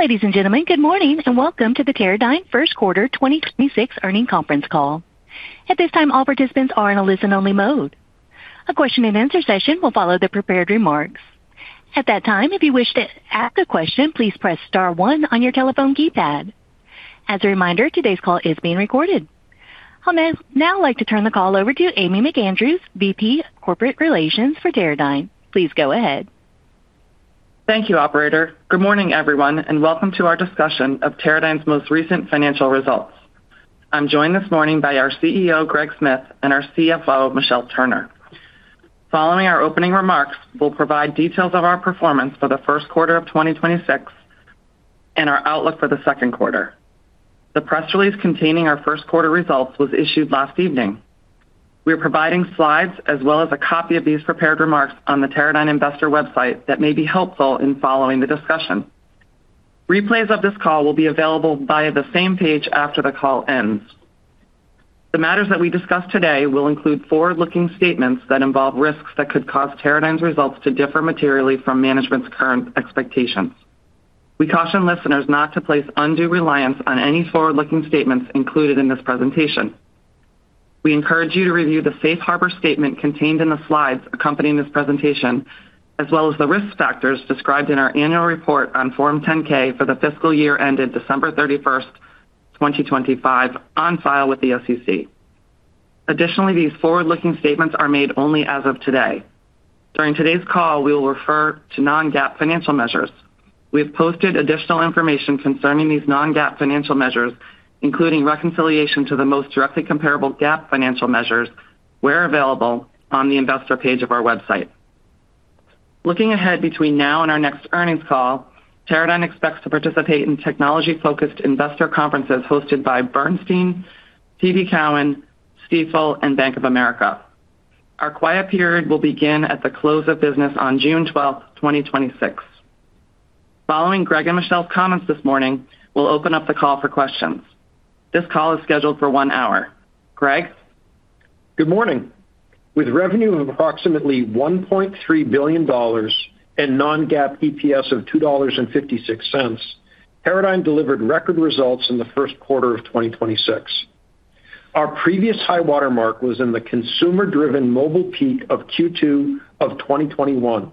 Ladies and gentlemen, good morning, and welcome to the Teradyne first quarter 2026 earnings conference call. I'll now like to turn the call over to Amy McAndrews, VP of Corporate Affairs for Teradyne. Please go ahead. Thank you, operator. Good morning, everyone, and welcome to our discussion of Teradyne's most recent financial results. I'm joined this morning by our CEO, Gregory Smith, and our CFO, Michelle Turner. Following our opening remarks, we'll provide details of our performance for the first quarter of 2026 and our outlook for the second quarter. The press release containing our first quarter results was issued last evening. We're providing slides as well as a copy of these prepared remarks on the Teradyne investor website that may be helpful in following the discussion. Replays of this call will be available via the same page after the call ends. The matters that we discuss today will include forward-looking statements that involve risks that could cause Teradyne's results to differ materially from management's current expectations. We caution listeners not to place undue reliance on any forward-looking statements included in this presentation. We encourage you to review the safe harbor statement contained in the slides accompanying this presentation, as well as the risk factors described in our annual report on Form 10-K for the fiscal year ended December 31st, 2025, on file with the SEC. Additionally, these forward-looking statements are made only as of today. During today's call, we will refer to non-GAAP financial measures. We have posted additional information concerning these non-GAAP financial measures, including reconciliation to the most directly comparable GAAP financial measures where available on the investor page of our website. Looking ahead between now and our next earnings call, Teradyne expects to participate in technology-focused investor conferences hosted by Bernstein, TD Cowen, Stifel, and Bank of America. Our quiet period will begin at the close of business on June 12th, 2026. Following Greg and Michelle's comments this morning, we'll open up the call for questions. This call is scheduled for one hour. Greg? Good morning. With revenue of approximately $1.3 billion and non-GAAP EPS of $2.56, Teradyne delivered record results in the first quarter of 2026. Our previous high-water mark was in the consumer-driven mobile peak of Q2 of 2021.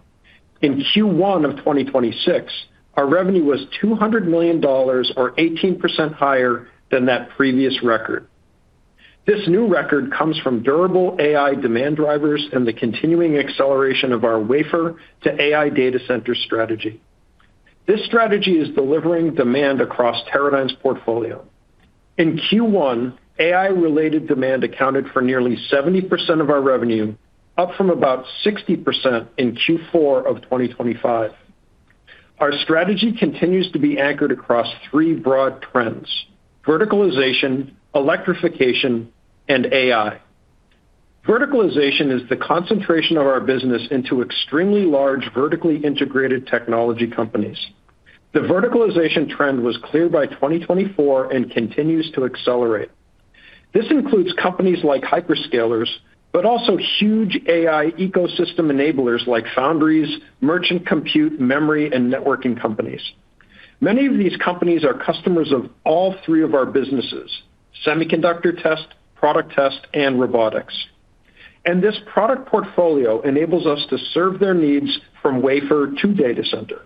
In Q1 of 2026, our revenue was $200 million or 18% higher than that previous record. This new record comes from durable AI demand drivers and the continuing acceleration of our wafer-to-AI data center strategy. This strategy is delivering demand across Teradyne's portfolio. In Q1, AI-related demand accounted for nearly 70% of our revenue, up from about 60% in Q4 of 2025. Our strategy continues to be anchored across three broad trends: verticalization, electrification, and AI. Verticalization is the concentration of our business into extremely large, vertically integrated technology companies. The verticalization trend was clear by 2024 and continues to accelerate. This includes companies like hyperscalers, but also huge AI ecosystem enablers like foundries, merchant compute, memory, and networking companies. Many of these companies are customers of all three of our businesses, Semiconductor Test, product test, and robotics. This product portfolio enables us to serve their needs from wafer to data center.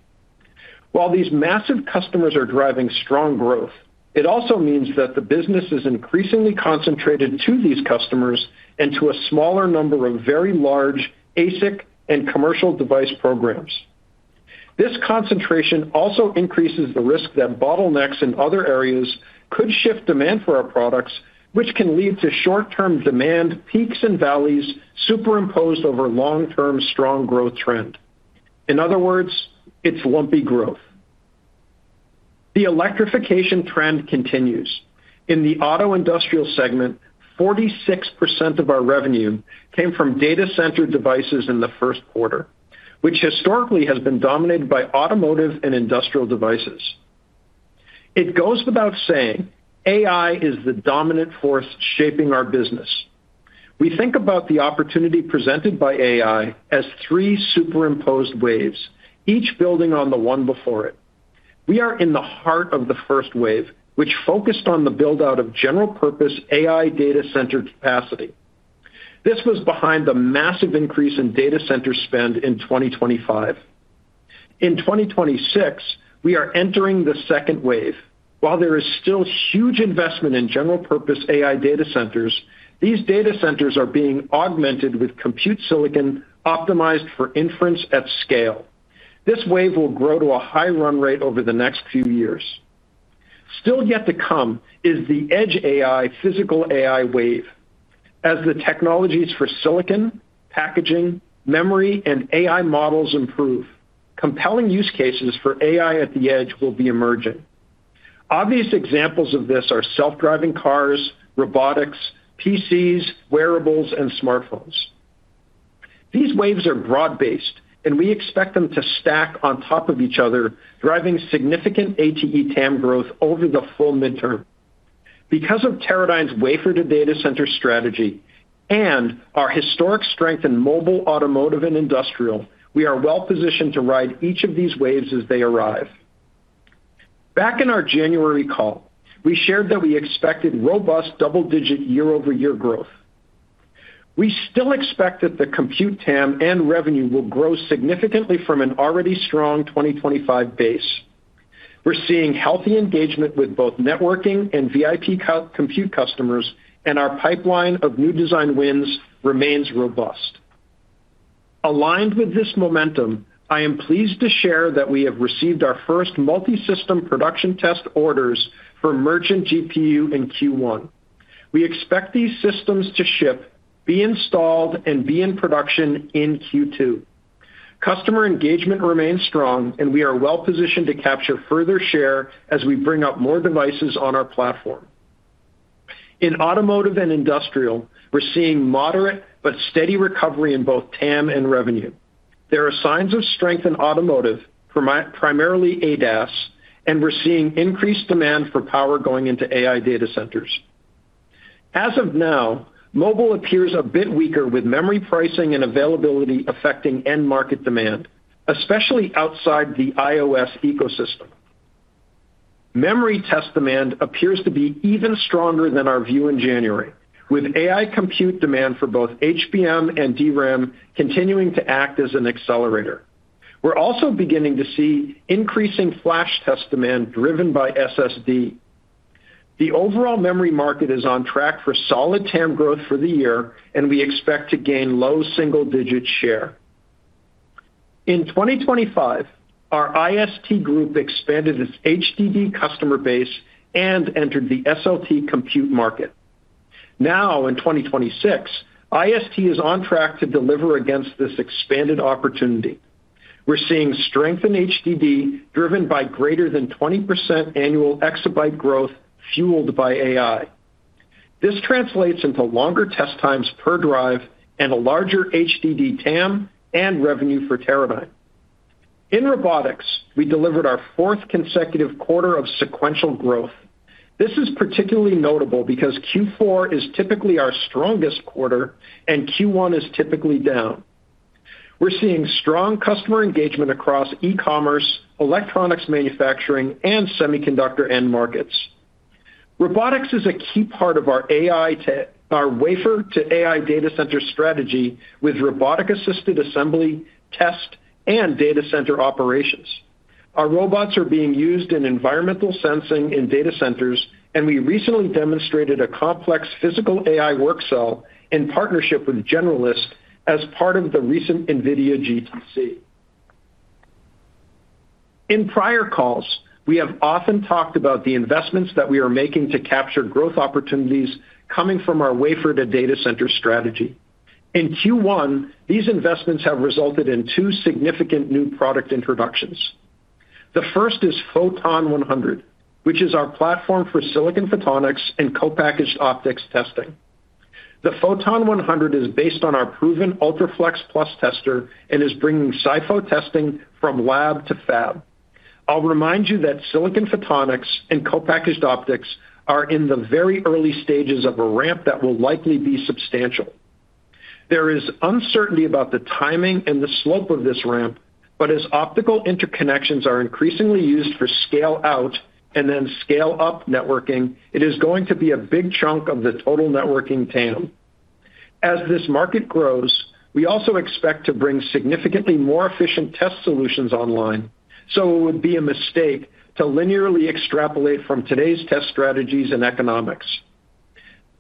While these massive customers are driving strong growth, it also means that the business is increasingly concentrated to these customers and to a smaller number of very large ASIC and commercial device programs. This concentration also increases the risk that bottlenecks in other areas could shift demand for our products, which can lead to short-term demand peaks and valleys superimposed over long-term strong growth trend. In other words, it's lumpy growth. The electrification trend continues. In the auto industrial segment, 46% of our revenue came from data center devices in the first quarter, which historically has been dominated by automotive and industrial devices. It goes without saying, AI is the dominant force shaping our business. We think about the opportunity presented by AI as three superimposed waves, each building on the one before it. We are in the heart of the first wave, which focused on the build-out of general-purpose AI data center capacity. This was behind the massive increase in data center spend in 2025. In 2026, we are entering the second wave. While there is still huge investment in general-purpose AI data centers, these data centers are being augmented with compute silicon optimized for inference at scale. This wave will grow to a high run rate over the next few years. Still yet to come is the edge AI, physical AI wave. As the technologies for silicon, packaging, memory, and AI models improve, compelling use cases for AI at the edge will be emerging. Obvious examples of this are self-driving cars, robotics, PCs, wearables, and smartphones. These waves are broad-based, and we expect them to stack on top of each other, driving significant ATE TAM growth over the full midterm. Because of Teradyne's wafer to AI data center strategy and our historic strength in mobile, automotive, and industrial, we are well-positioned to ride each of these waves as they arrive. Back in our January call, we shared that we expected robust double-digit year-over-year growth. We still expect that the compute TAM and revenue will grow significantly from an already strong 2025 base. We're seeing healthy engagement with both networking and VIP compute customers, and our pipeline of new design wins remains robust. Aligned with this momentum, I am pleased to share that we have received our first multi-system production test orders for merchant GPU in Q1. We expect these systems to ship, be installed, and be in production in Q2. Customer engagement remains strong, and we are well-positioned to capture further share as we bring up more devices on our platform. In automotive and industrial, we're seeing moderate but steady recovery in both TAM and revenue. There are signs of strength in automotive for primarily ADAS, and we're seeing increased demand for power going into AI data centers. As of now, mobile appears a bit weaker with memory pricing and availability affecting end market demand, especially outside the iOS ecosystem. Memory test demand appears to be even stronger than our view in January, with AI compute demand for both HBM and DRAM continuing to act as an accelerator. We're also beginning to see increasing flash test demand driven by SSD. The overall memory market is on track for solid TAM growth for the year, and we expect to gain low single-digit share. In 2025, our IST group expanded its HDD customer base and entered the SLT compute market. Now, in 2026, IST is on track to deliver against this expanded opportunity. We're seeing strength in HDD driven by greater than 20% annual exabyte growth fueled by AI. This translates into longer test times per drive and a larger HDD TAM and revenue for Teradyne. In robotics, we delivered our fourth consecutive quarter of sequential growth. This is particularly notable because Q4 is typically our strongest quarter and Q1 is typically down. We're seeing strong customer engagement across e-commerce, electronics manufacturing, and semiconductor end markets. Robotics is a key part of our wafer-to-AI data center strategy with robotic assisted assembly, test, and data center operations. Our robots are being used in environmental sensing in data centers. We recently demonstrated a complex physical AI work cell in partnership with Generalist AI as part of the recent NVIDIA GTC. In prior calls, we have often talked about the investments that we are making to capture growth opportunities coming from our wafer-to-data center strategy. In Q1, these investments have resulted in two significant new product introductions. The first is Photon 100, which is our platform for silicon photonics and Co-Packaged Optics testing. The Photon 100 is based on our proven UltraFLEXplus tester and is bringing SiPhO testing from lab to fab. I'll remind you that silicon photonics and co-packaged optics are in the very early stages of a ramp that will likely be substantial. There is uncertainty about the timing and the slope of this ramp, but as optical interconnections are increasingly used for scale-out and then scale-up networking, it is going to be a big chunk of the total networking TAM. As this market grows, we also expect to bring significantly more efficient test solutions online, so it would be a mistake to linearly extrapolate from today's test strategies and economics.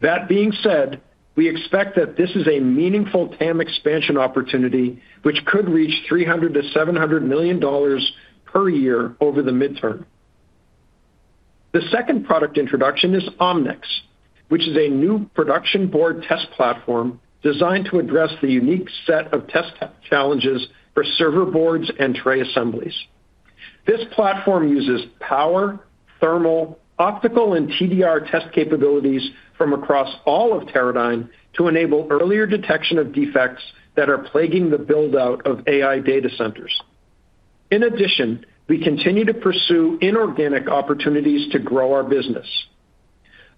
That being said, we expect that this is a meaningful TAM expansion opportunity, which could reach $300 million-$700 million per year over the midterm. The second product introduction is Omnyx, which is a new production board test platform designed to address the unique set of test challenges for server boards and tray assemblies. This platform uses power, thermal, optical, and TDR test capabilities from across all of Teradyne to enable earlier detection of defects that are plaguing the build-out of AI data centers. In addition, we continue to pursue inorganic opportunities to grow our business.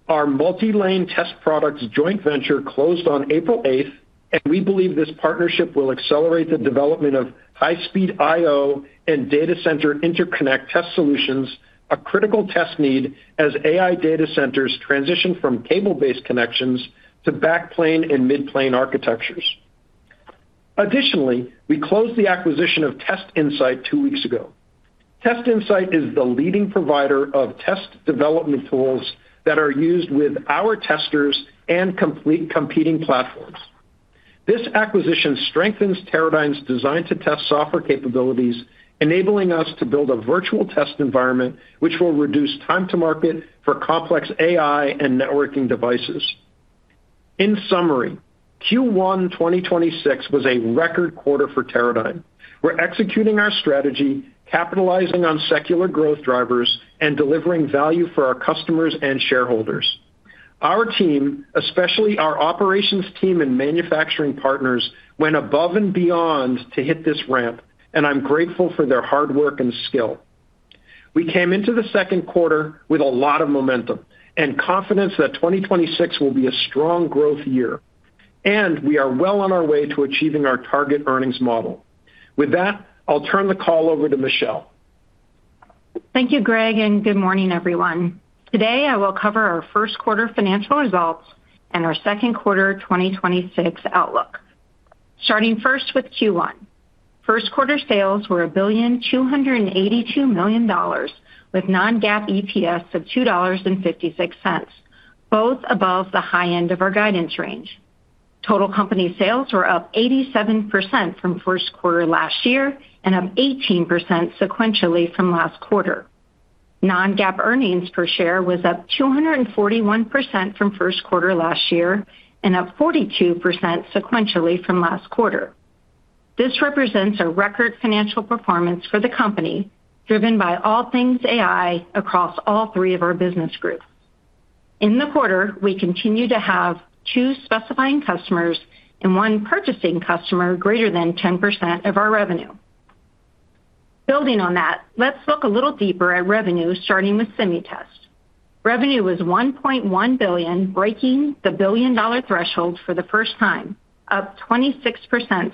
Our MultiLane Test Products joint venture closed on April eighth, and we believe this partnership will accelerate the development of high-speed IO and data center interconnect test solutions, a critical test need as AI data centers transition from cable-based connections to backplane and midplane architectures. Additionally, we closed the acquisition of TestInsight two weeks ago. TestInsight is the leading provider of test development tools that are used with our testers and complete competing platforms. This acquisition strengthens Teradyne's design to test software capabilities, enabling us to build a virtual test environment, which will reduce time to market for complex AI and networking devices. In summary, Q1 2026 was a record quarter for Teradyne. We're executing our strategy, capitalizing on secular growth drivers, and delivering value for our customers and shareholders. Our team, especially our operations team and manufacturing partners, went above and beyond to hit this ramp, and I'm grateful for their hard work and skill. We came into the second quarter with a lot of momentum and confidence that 2026 will be a strong growth year, and we are well on our way to achieving our target earnings model. With that, I'll turn the call over to Michelle. Thank you, Greg, good morning, everyone. Today, I will cover our first quarter financial results and our second quarter 2026 outlook. Starting first with Q1. First quarter sales were $1.282 billion with non-GAAP EPS of $2.56, both above the high end of our guidance range. Total company sales were up 87% from first quarter last year and up 18% sequentially from last quarter. Non-GAAP earnings per share was up 241% from first quarter last year and up 42% sequentially from last quarter. This represents a record financial performance for the company, driven by all things AI across all three of our business groups. In the quarter, we continue to have two specifying customers and one purchasing customer greater than 10% of our revenue. Building on that, let's look a little deeper at revenue, starting with Semi Test. Revenue was $1.1 billion, breaking the billion-dollar threshold for the first time, up 26%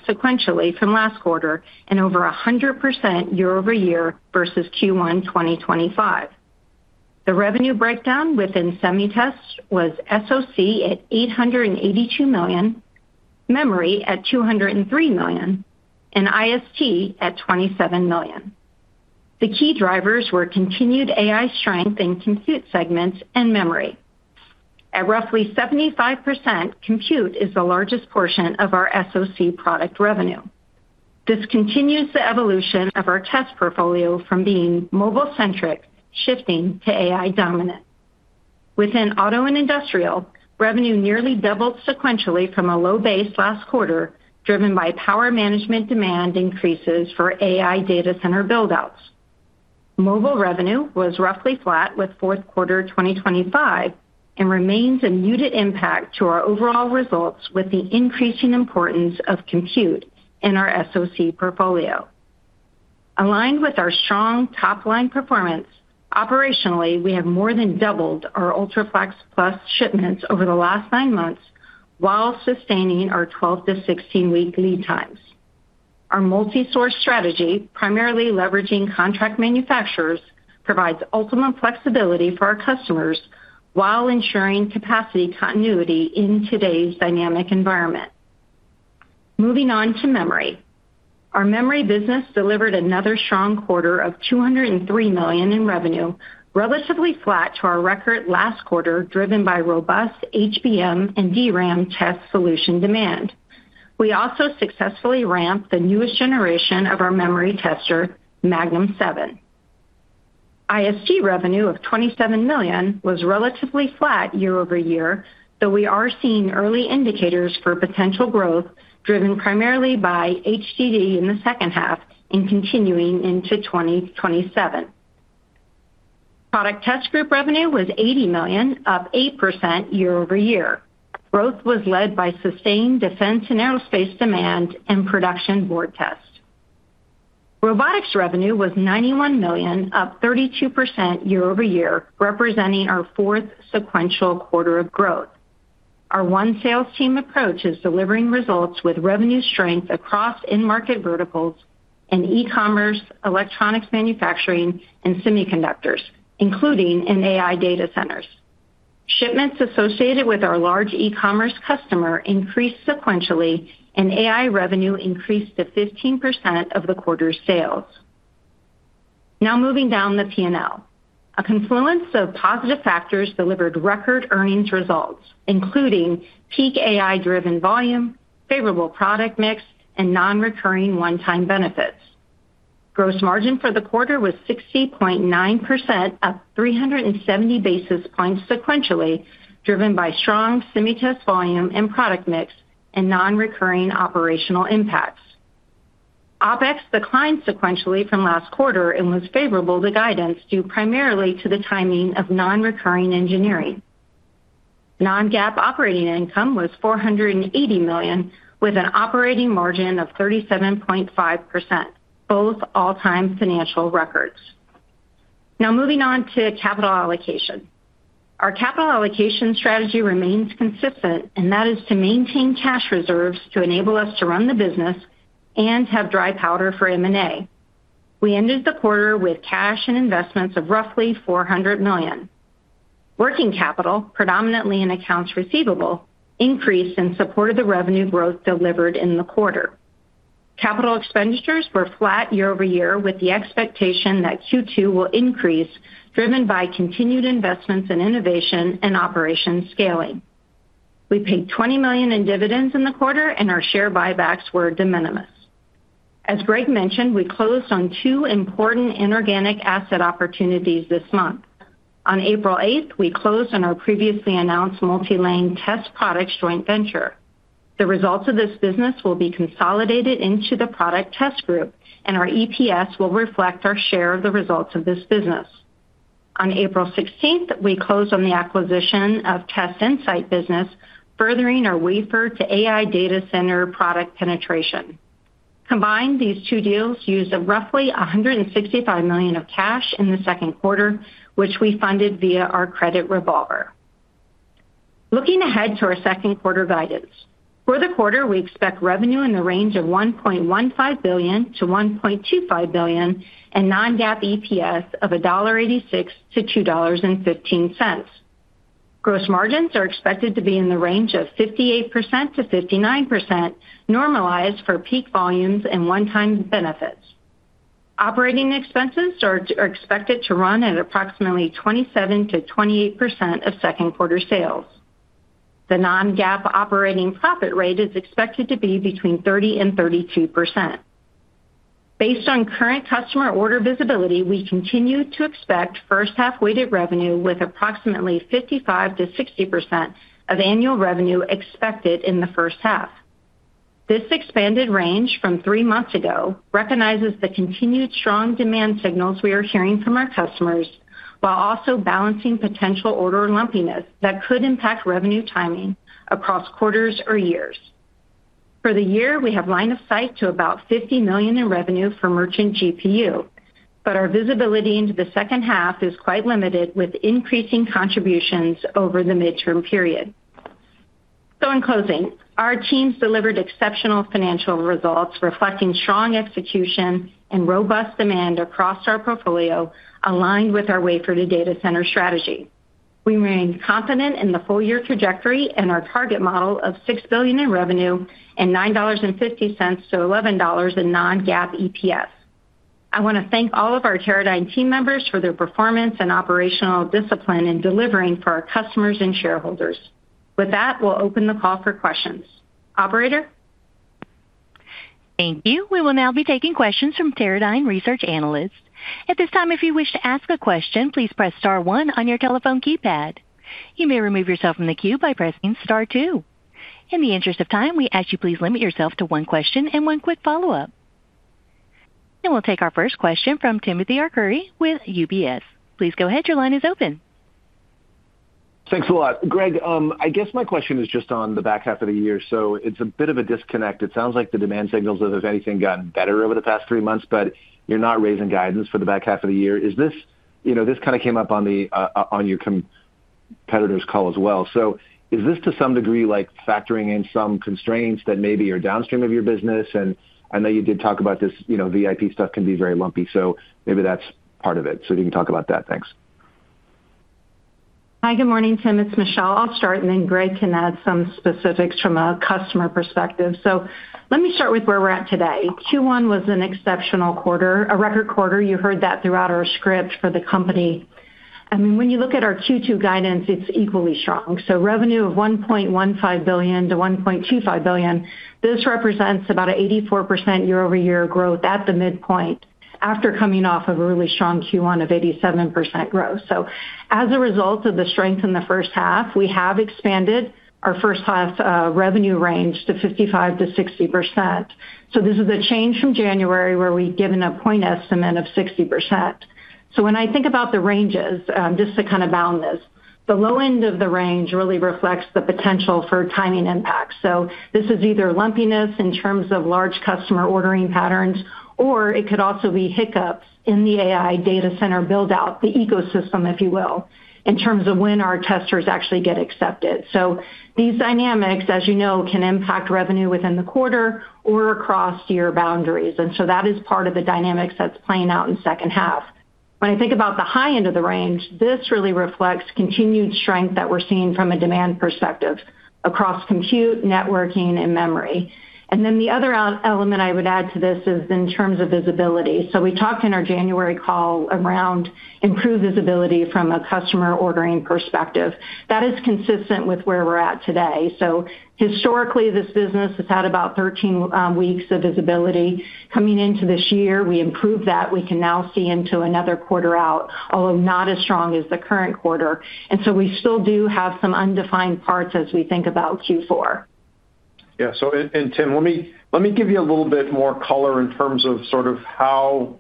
sequentially from last quarter and over 100% year-over-year versus Q1 2025. The revenue breakdown within Semi Test was SoC at $882 million, memory at $203 million, and IST at $27 million. The key drivers were continued AI strength in compute segments and memory. At roughly 75%, compute is the largest portion of our SoC product revenue. This continues the evolution of our test portfolio from being mobile-centric, shifting to AI dominant. Within auto and industrial, revenue nearly doubled sequentially from a low base last quarter, driven by power management demand increases for AI data center build-outs. Mobile revenue was roughly flat with fourth quarter 2025 and remains a muted impact to our overall results with the increasing importance of compute in our SoC portfolio. Aligned with our strong top-line performance, operationally, we have more than doubled our UltraFLEXplus shipments over the last nine months while sustaining our 12-16 week lead times. Our multi-source strategy, primarily leveraging contract manufacturers, provides ultimate flexibility for our customers while ensuring capacity continuity in today's dynamic environment. Moving on to memory. Our memory business delivered another strong quarter of $203 million in revenue, relatively flat to our record last quarter, driven by robust HBM and DRAM test solution demand. We also successfully ramped the newest generation of our memory tester, Magnum 7. IST revenue of $27 million was relatively flat year-over-year, though we are seeing early indicators for potential growth, driven primarily by HDD in the second half and continuing into 2027. Product test group revenue was $80 million, up 8% year-over-year. Growth was led by sustained defense and aerospace demand and production board test. Robotics revenue was $91 million, up 32% year-over-year, representing our fourth sequential quarter of growth. Our one sales team approach is delivering results with revenue strength across end market verticals and e-commerce, electronics manufacturing, and semiconductors, including in AI data centers. Shipments associated with our large e-commerce customer increased sequentially, and AI revenue increased to 15% of the quarter's sales. Now moving down the P&L. A confluence of positive factors delivered record earnings results, including peak AI-driven volume, favorable product mix, and non-recurring one-time benefits. Gross margin for the quarter was 60.9%, up 370 basis points sequentially, driven by strong Semi Test volume and product mix and non-recurring operational impacts. OpEx declined sequentially from last quarter and was favorable to guidance due primarily to the timing of non-recurring engineering. Non-GAAP operating income was $480 million, with an operating margin of 37.5%, both all-time financial records. Moving on to capital allocation. Our capital allocation strategy remains consistent, and that is to maintain cash reserves to enable us to run the business and have dry powder for M&A. We ended the quarter with cash and investments of roughly $400 million. Working capital, predominantly in accounts receivable, increased and supported the revenue growth delivered in the quarter. Capital expenditures were flat year-over-year with the expectation that Q2 will increase, driven by continued investments in innovation and operation scaling. We paid $20 million in dividends in the quarter, and our share buybacks were de minimis. As Greg mentioned, we closed on two important inorganic asset opportunities this month. On April 8th, we closed on our previously announced Multi-Lane Test Products joint venture. The results of this business will be consolidated into the product test group, and our EPS will reflect our share of the results of this business. On April 16th, we closed on the acquisition of TestInsight business, furthering our wafer to AI data center product penetration. Combined, these two deals used roughly $165 million of cash in the second quarter, which we funded via our credit revolver. Looking ahead to our second quarter guidance. For the quarter, we expect revenue in the range of $1.15 billion-$1.25 billion and non-GAAP EPS of $1.86-$2.15. Gross margins are expected to be in the range of 58%-59%, normalized for peak volumes and one-time benefits. Operating expenses are expected to run at approximately 27%-28% of second quarter sales. The non-GAAP operating profit rate is expected to be between 30% and 32%. Based on current customer order visibility, we continue to expect first half weighted revenue with approximately 55%-60% of annual revenue expected in the first half. This expanded range from three months ago recognizes the continued strong demand signals we are hearing from our customers, while also balancing potential order lumpiness that could impact revenue timing across quarters or years. For the year, we have line of sight to about 50 million in revenue for merchant GPU, but our visibility into the second half is quite limited with increasing contributions over the midterm period. In closing, our teams delivered exceptional financial results reflecting strong execution and robust demand across our portfolio, aligned with our wafer to data center strategy. We remain confident in the full year trajectory and our target model of $6 billion in revenue and $9.50-$11.00 in non-GAAP EPS. I want to thank all of our Teradyne team members for their performance and operational discipline in delivering for our customers and shareholders. With that, we'll open the call for questions. Operator? Thank you. We will now be taking questions from Teradyne research analysts. At this time, if you wish to ask a question, please press star one on your telephone keypad. You may remove yourself from the queue by pressing star two. In the interest of time, we ask you please limit yourself to one question and one quick follow-up. We'll take our first question from Timothy Arcuri with UBS. Please go ahead, your line is open. Thanks a lot, Greg. I guess my question is just on the back half of the year. It's a bit of a disconnect. It sounds like the demand signals, if anything, gotten better over the past three months, but you're not raising guidance for the back half of the year. Is this, you know, this kind of came up on the, on your competitor's call as well. Is this to some degree like factoring in some constraints that maybe are downstream of your business? And I know you did talk about this, you know, VIP stuff can be very lumpy, so maybe that's part of it. If you can talk about that. Thanks. Hi, good morning, Tim. It's Michelle. I'll start, and then Greg can add some specifics from a customer perspective. Let me start with where we're at today. Q1 was an exceptional quarter, a record quarter. You heard that throughout our script for the company. I mean, when you look at our Q2 guidance, it's equally strong. Revenue of $1.15 billion-$1.25 billion, this represents about a 84% year-over-year growth at the midpoint after coming off a really strong Q1 of 87% growth. As a result of the strength in the first half, we have expanded our first half revenue range to 55%-60%. This is a change from January, where we'd given a point estimate of 60%. When I think about the ranges, just to kind of bound this, the low end of the range really reflects the potential for timing impact. This is either lumpiness in terms of large customer ordering patterns, or it could also be hiccups in the AI data center build-out, the ecosystem, if you will, in terms of when our testers actually get accepted. These dynamics, as you know, can impact revenue within the quarter or across year boundaries. That is part of the dynamics that's playing out in second half. When I think about the high end of the range, this really reflects continued strength that we're seeing from a demand perspective across compute, networking, and memory. The other element I would add to this is in terms of visibility. We talked in our January call around improved visibility from a customer ordering perspective. That is consistent with where we're at today. Historically, this business has had about 13 weeks of visibility. Coming into this year, we improved that. We can now see into another quarter out, although not as strong as the current quarter. We still do have some undefined parts as we think about Q4. Yeah. Tim, let me give you a little bit more color in terms of sort of how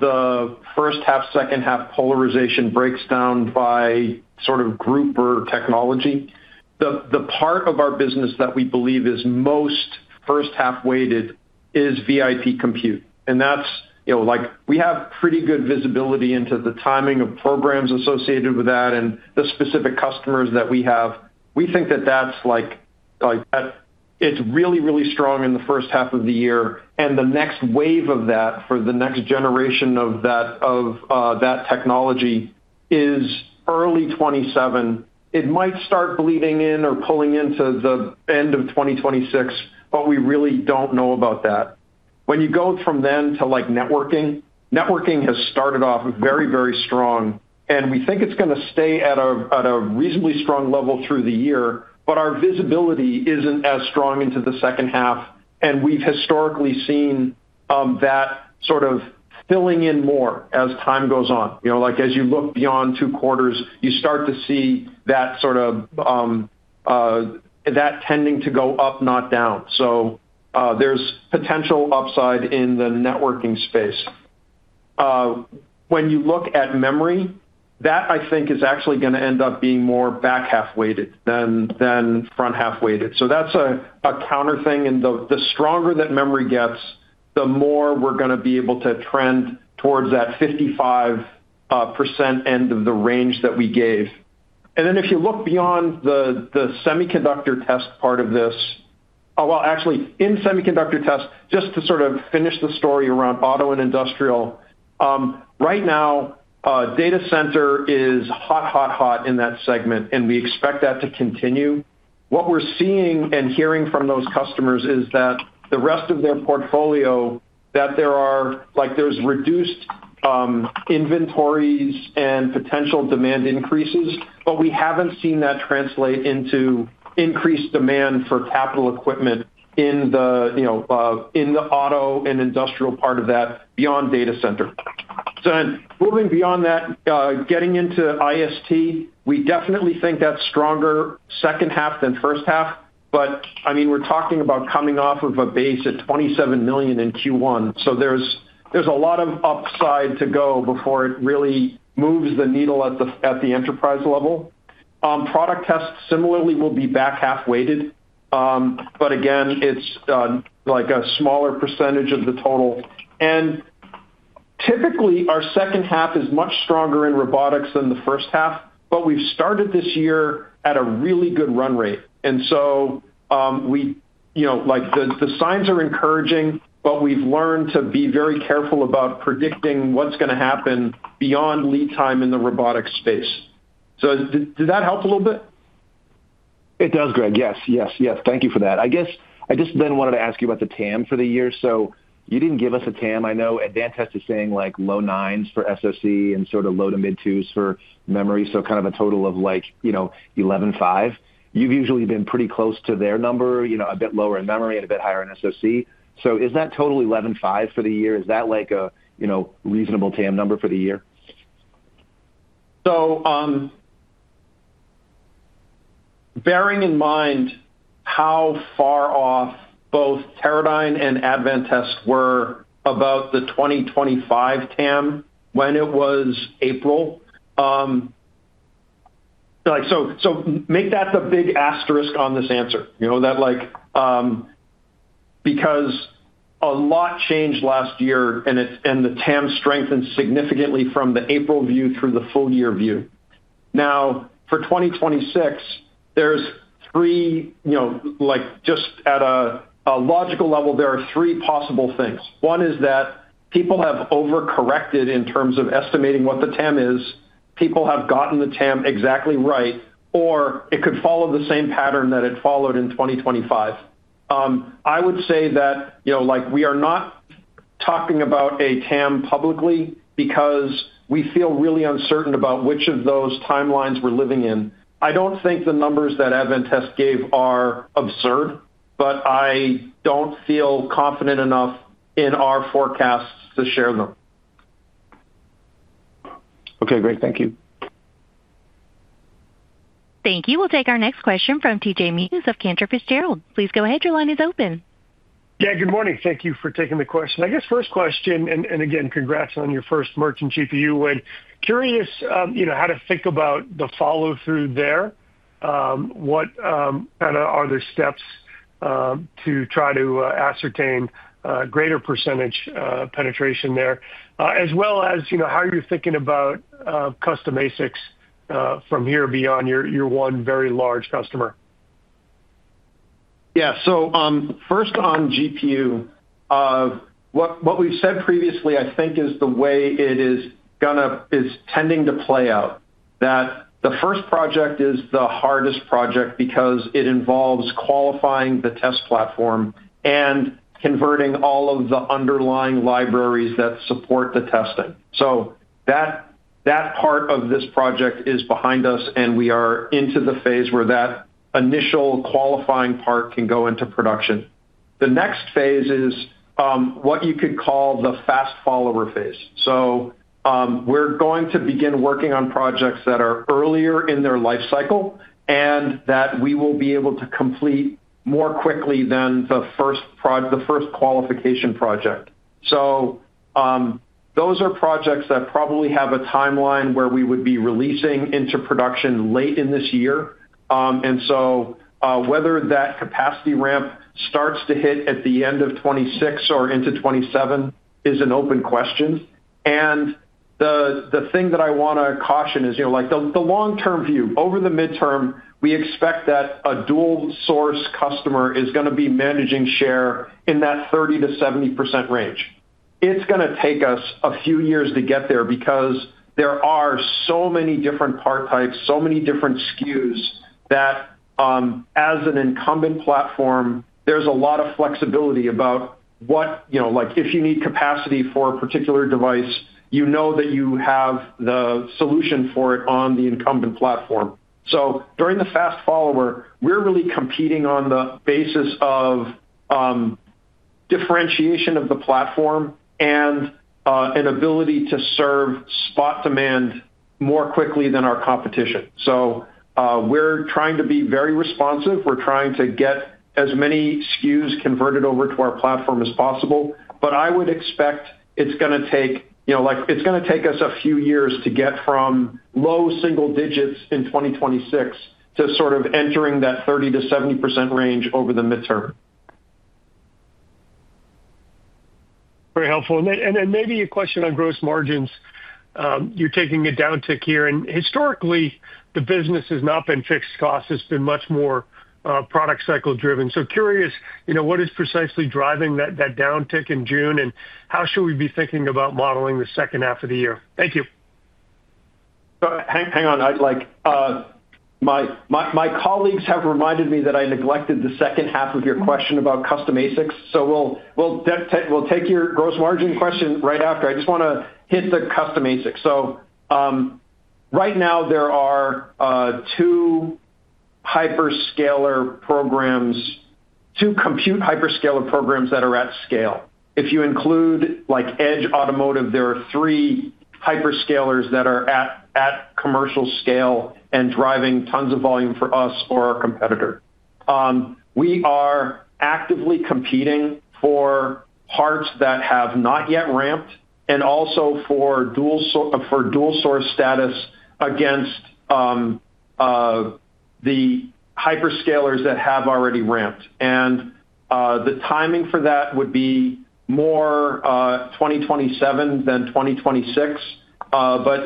the first half, second half polarization breaks down by sort of group or technology. The part of our business that we believe is most first half weighted is VIP compute. That's, you know, like we have pretty good visibility into the timing of programs associated with that and the specific customers that we have. We think that that's like that it's really strong in the first half of the year, and the next wave of that for the next generation of that technology is early 2027. It might start bleeding in or pulling into the end of 2026, we really don't know about that. When you go from then to, like, networking has started off very, very strong, and we think it is going to stay at a reasonably strong level through the year, but our visibility is not as strong into the second half, and we have historically seen that sort of filling in more as time goes on. You know, like, as you look beyond two quarters, you start to see that sort of that tending to go up, not down. There is potential upside in the networking space. When you look at memory, that I think is actually going to end up being more back-half weighted than front-half weighted. That is a counter thing. The stronger that memory gets, the more we are going to be able to trend towards that 55% end of the range that we gave. If you look beyond the semiconductor test part of this. Well, actually in semiconductor test, just to sort of finish the story around auto and industrial, right now, data center is hot, hot in that segment, and we expect that to continue. What we're seeing and hearing from those customers is that the rest of their portfolio, that like, there's reduced inventories and potential demand increases, but we haven't seen that translate into increased demand for capital equipment in the, you know, in the auto and industrial part of that beyond data center. Moving beyond that, getting into IST, we definitely think that's stronger second half than first half, but, I mean, we're talking about coming off of a base at $27 million in Q1. There's a lot of upside to go before it really moves the needle at the enterprise level. Product tests similarly will be back-half weighted, but again, it's like a smaller percentage of the total. Typically, our second half is much stronger in robotics than the first half, but we've started this year at a really good run rate. We, you know, like, the signs are encouraging, but we've learned to be very careful about predicting what's gonna happen beyond lead time in the robotics space. Did that help a little bit? It does, Greg. Yes. Thank you for that. I guess I just wanted to ask you about the TAM for the year. You didn't give us a TAM. I know Advantest is saying, like, low $9 billion for SoC and sort of low to mid $2 billion for memory, kind of a total of, like, you know, $11.5 billion. You've usually been pretty close to their number, you know, a bit lower in memory and a bit higher in SoC. Is that total $11.5 billion for the year? Is that, like, a, you know, reasonable TAM number for the year? Bearing in mind how far off both Teradyne and Advantest were about the 2025 TAM when it was April, make that the big asterisk on this answer, you know. That, because a lot changed last year, and the TAM strengthened significantly from the April view through the full year view. For 2026, there's three, you know, just at a logical level, there are three possible things. One is that people have overcorrected in terms of estimating what the TAM is, people have gotten the TAM exactly right, or it could follow the same pattern that it followed in 2025. I would say that, you know, we are not talking about a TAM publicly because we feel really uncertain about which of those timelines we're living in. I don't think the numbers that Advantest gave are absurd, but I don't feel confident enough in our forecasts to share them. Okay, great. Thank you. Thank you. We'll take our next question from C.J. Muse of Cantor Fitzgerald. Please go ahead, your line is open. Yeah, good morning. Thank you for taking the question. I guess first question, and again, congrats on your first merchant GPU win. Curious, you know, how to think about the follow-through there. What kind of are the steps to try to ascertain a greater percentage penetration there? As well as, you know, how are you thinking about custom ASICs from here beyond your one very large customer? Yeah. First on GPU, what we've said previously, I think is the way it is tending to play out, that the first project is the hardest project because it involves qualifying the test platform and converting all of the underlying libraries that support the testing. That part of this project is behind us, and we are into the phase where that initial qualifying part can go into production. The next phase is what you could call the fast follower phase. We're going to begin working on projects that are earlier in their life cycle and that we will be able to complete more quickly than the first qualification project. Those are projects that probably have a timeline where we would be releasing into production late in this year. Whether that capacity ramp starts to hit at the end of 2026 or into 2027 is an open question. The thing that I want to caution is, you know, like the long-term view. Over the midterm, we expect that a dual source customer is going to be managing share in that 30%-70% range. It's going to take us a few years to get there because there are so many different part types, so many different SKUs that, as an incumbent platform, there's a lot of flexibility about what, you know, like if you need capacity for a particular device, you know that you have the solution for it on the incumbent platform. So during the fast follower, we're really competing on the basis of differentiation of the platform and an ability to serve spot demand more quickly than our competition. We're trying to be very responsive. We're trying to get as many SKUs converted over to our platform as possible. I would expect it's gonna take, you know, it's gonna take us a few years to get from low single digits in 2026 to sort of entering that 30%-70% range over the midterm. Very helpful. Maybe a question on gross margins. You're taking a downtick here, and historically the business has not been fixed cost. It's been much more, product cycle driven. Curious, you know, what is precisely driving that downtick in June, and how should we be thinking about modeling the second half of the year? Thank you. Hang on. I'd like, my colleagues have reminded me that I neglected the second half of your question about custom ASICs. We'll take your gross margin question right after. I just wanna hit the custom ASICs. Right now there are two hyperscaler programs, two compute hyperscaler programs that are at scale. If you include like edge automotive, there are three hyperscalers that are at commercial scale and driving tons of volume for us or our competitor. We are actively competing for parts that have not yet ramped and also for dual source status against the hyperscalers that have already ramped. The timing for that would be more 2027 than 2026. You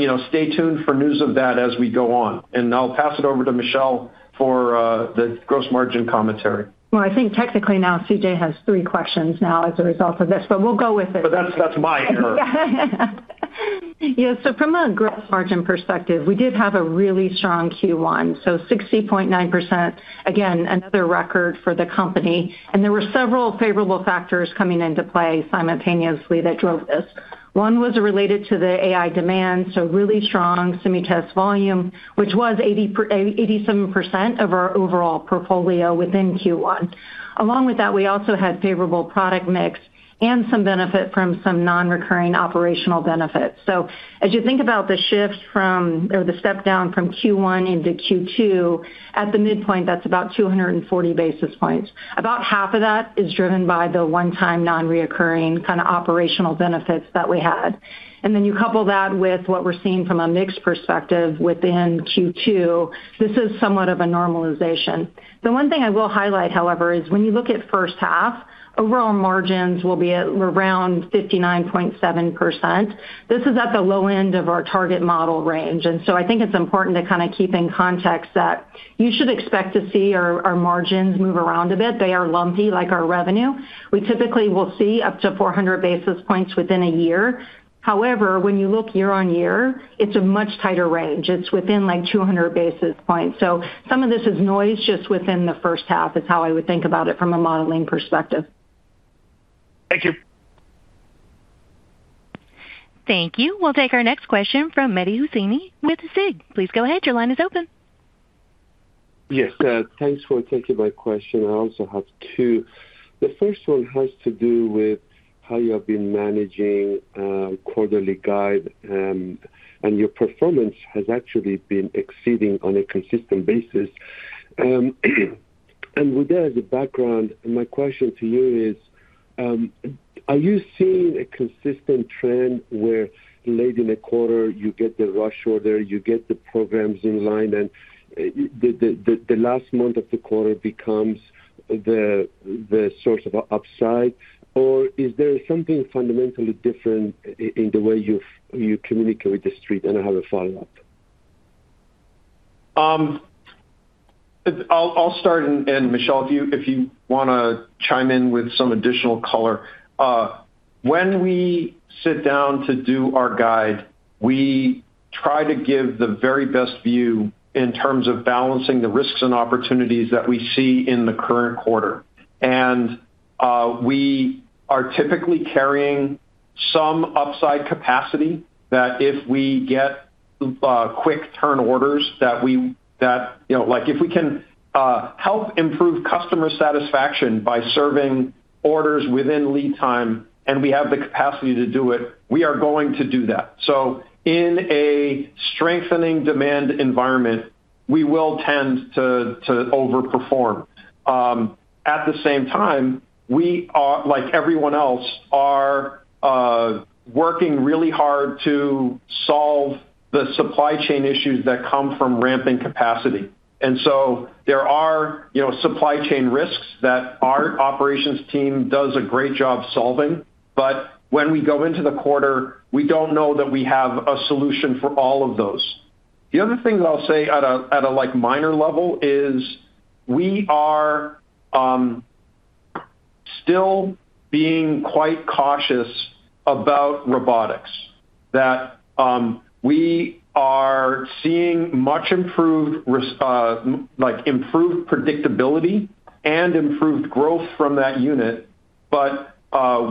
know, stay tuned for news of that as we go on. I'll pass it over to Michelle for the gross margin commentary. Well, I think technically now C.J. has three questions now as a result of this, but we'll go with it. That's my error. Yeah, from a gross margin perspective, we did have a really strong Q1, 60.9%, again, another record for the company. There were several favorable factors coming into play simultaneously that drove this. One was related to the AI demand, really strong Semi Test volume, which was 87% of our overall portfolio within Q1. Along with that, we also had favorable product mix and some benefit from some non-recurring operational benefits. As you think about the shift from or the step down from Q1 into Q2, at the midpoint, that's about 240 basis points. About half of that is driven by the 1-time non-recurring kind of operational benefits that we had. You couple that with what we're seeing from a mix perspective within Q2, this is somewhat of a normalization. The one thing I will highlight, however, is when you look at first half, overall margins will be at around 59.7%. This is at the low end of our target model range. I think it's important to kind of keep in context that you should expect to see our margins move around a bit. They are lumpy like our revenue. We typically will see up to 400 basis points within a year. However, when you look year-on-year, it's a much tighter range. It's within like 200 basis points. Some of this is noise just within the first half, is how I would think about it from a modeling perspective. Thank you. Thank you. We'll take our next question from Mehdi Hosseini with SIG. Please go ahead. Your line is open. Yes. Thanks for taking my question. I also have two. The first one has to do with how you have been managing quarterly guide, and your performance has actually been exceeding on a consistent basis. With that as a background, my question to you is, are you seeing a consistent trend where late in the quarter you get the rush order, you get the programs in line, and the last month of the quarter becomes the source of upside? Or is there something fundamentally different in the way you've, you communicate with The Street? I have a follow-up. I'll start and Michelle, if you wanna chime in with some additional color. When we sit down to do our guide, we try to give the very best view in terms of balancing the risks and opportunities that we see in the current quarter. We are typically carrying some upside capacity that if we get quick turn orders that we, you know, like if we can help improve customer satisfaction by serving orders within lead time, and we have the capacity to do it, we are going to do that. In a strengthening demand environment, we will tend to overperform. At the same time, we are, like everyone else, working really hard to solve the supply chain issues that come from ramping capacity. There are, you know, supply chain risks that our operations team does a great job solving. When we go into the quarter, we don't know that we have a solution for all of those. The other thing that I'll say at a like minor level is we are still being quite cautious about robotics, that we are seeing much improved predictability and improved growth from that unit.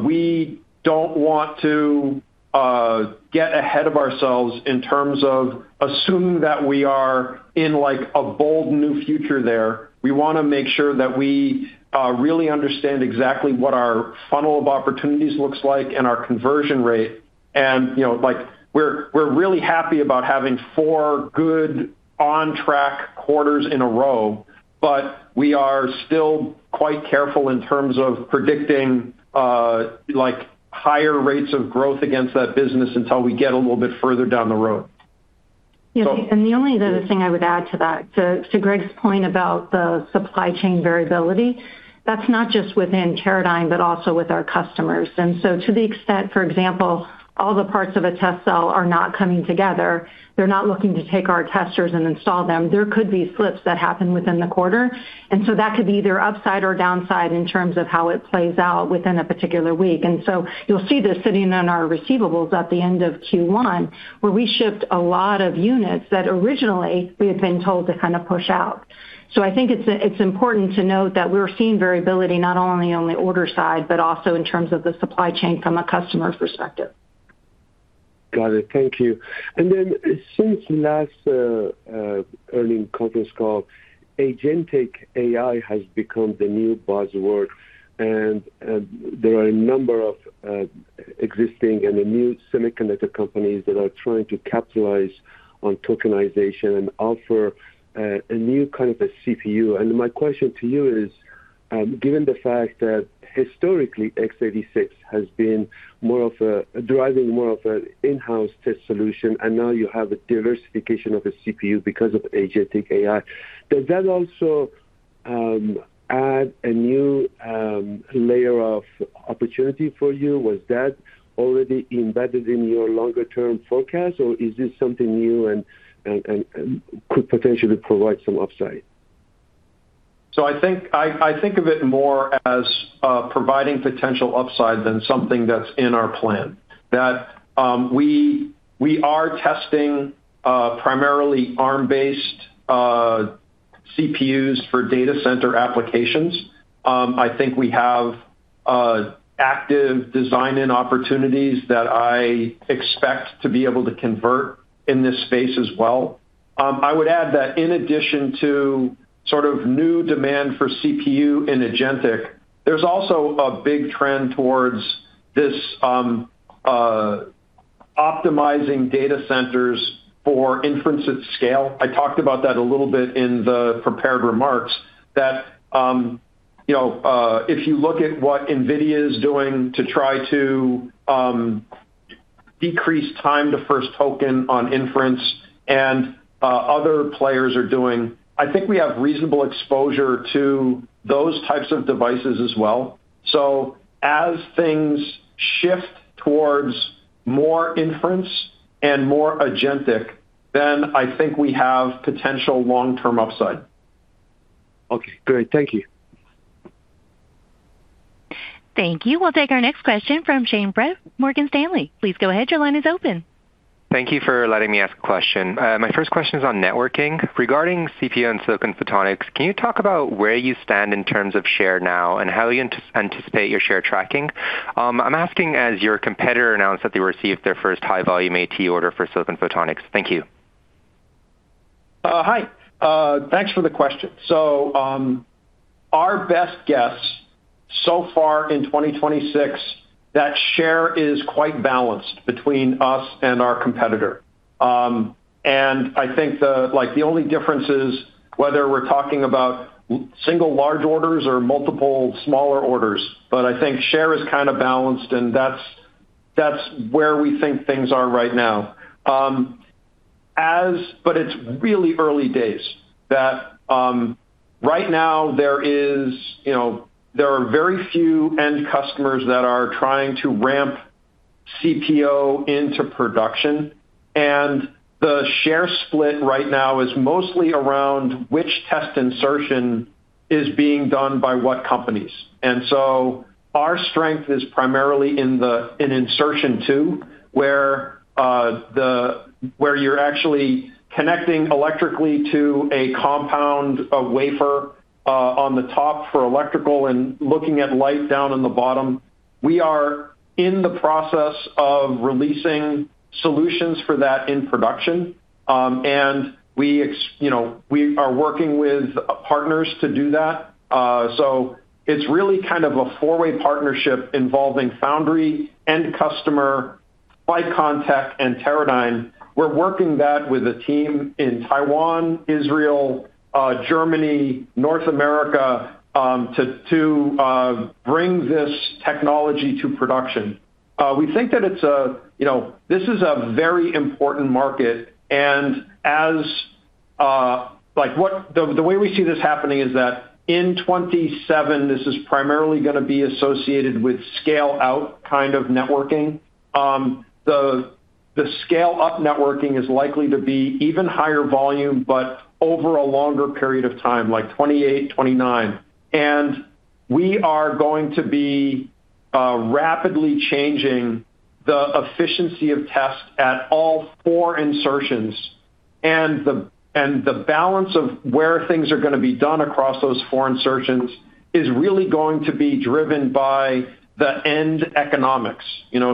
We don't want to get ahead of ourselves in terms of assuming that we are in, like, a bold new future there. We want to make sure that we really understand exactly what our funnel of opportunities looks like and our conversion rate and, you know, like, we're really happy about having four good on-track quarters in a row, but we are still quite careful in terms of predicting, like, higher rates of growth against that business until we get a little bit further down the road. Yeah. The only other thing I would add to that, to Greg's point about the supply chain variability, that's not just within Teradyne, but also with our customers. To the extent, for example, all the parts of a test cell are not coming together, they're not looking to take our testers and install them, there could be slips that happen within the quarter, and so that could be either upside or downside in terms of how it plays out within a particular week. You'll see this sitting on our receivables at the end of Q1, where we shipped a lot of units that originally we had been told to kind of push out. I think it's important to note that we're seeing variability not only on the order side, but also in terms of the supply chain from a customer's perspective. Got it. Thank you. Since last earnings conference call, agentic AI has become the new buzzword, there are a number of existing and new semiconductor companies that are trying to capitalize on tokenization and offer a new kind of CPO. My question to you is, given the fact that historically x86 has been driving more of an in-house test solution, now you have a diversification of a CPO because of agentic AI, does that also add a new layer of opportunity for you? Was that already embedded in your longer-term forecast, or is this something new and could potentially provide some upside? I think of it more as providing potential upside than something that's in our plan. We are testing primarily Arm-based CPUs for data center applications. I think we have active design-in opportunities that I expect to be able to convert in this space as well. I would add that in addition to sort of new demand for CPO in agentic, there's also a big trend towards this optimizing data centers for inference at scale. I talked about that a little bit in the prepared remarks that, you know, if you look at what NVIDIA is doing to try to decrease time to first token on inference and other players are doing, I think we have reasonable exposure to those types of devices as well. As things shift towards more inference and more agentic, then I think we have potential long-term upside. Okay, great. Thank you. Thank you. We'll take our next question from Shane Brett, Morgan Stanley. Please go ahead. Your line is open. Thank you for letting me ask a question. My first question is on networking. Regarding CPO and silicon photonics, can you talk about where you stand in terms of share now and how you anticipate your share tracking? I'm asking as your competitor announced that they received their first high volume ATE order for silicon photonics. Thank you. Hi. Thanks for the question. Our best guess so far in 2026, that share is quite balanced between us and our competitor. I think the, like, the only difference is whether we're talking about single large orders or multiple smaller orders. I think share is kind of balanced, and that's where we think things are right now. It's really early days. Right now there is, you know, there are very few end customers that are trying to ramp CPO into production, and the share split right now is mostly around which test insertion is being done by what companies. Our strength is primarily in insertion two, where you're actually connecting electrically to a compound, a wafer, on the top for electrical and looking at light down on the bottom. We are in the process of releasing solutions for that in production, you know, we are working with partners to do that. It's really kind of a 4-way partnership involving foundry, end customer, light contact, and Teradyne. We're working that with a team in Taiwan, Israel, Germany, North America, to bring this technology to production. We think that it's a, you know, this is a very important market, and as, like, the way we see this happening is that in 2027, this is primarily gonna be associated with scale-out kind of networking. The scale-up networking is likely to be even higher volume but over a longer period of time, like 2028, 2029. We are going to be rapidly changing the efficiency of test at all four insertions. The balance of where things are gonna be done across those die attach is really going to be driven by the end economics, you know.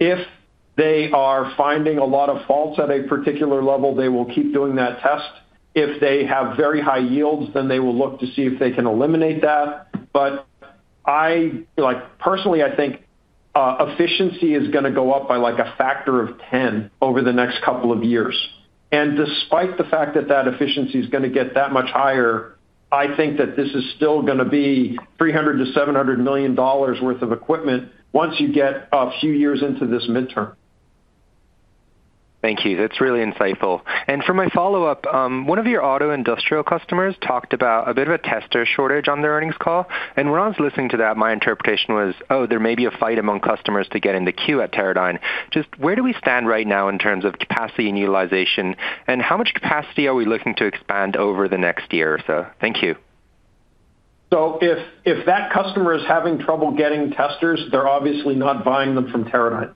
If they are finding a lot of faults at a particular level, they will keep doing that test. If they have very high yields, then they will look to see if they can eliminate that. Personally, I think efficiency is gonna go up by like a factor of 10 over the next couple of years. Despite the fact that that efficiency is going to get that much higher, I think that this is still going to be $300 million-$700 million worth of equipment once you get a few years into this midterm. Thank you. That's really insightful. For my follow-up, one of your auto industrial customers talked about a bit of a tester shortage on their earnings call. When I was listening to that, my interpretation was, "Oh, there may be a fight among customers to get in the queue at Teradyne." Just where do we stand right now in terms of capacity and utilization, and how much capacity are we looking to expand over the next year or so? Thank you. If that customer is having trouble getting testers, they're obviously not buying them from Teradyne.